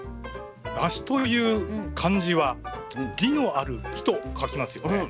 梨という漢字は「利のある木」と書きますよね。